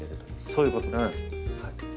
そういうことです。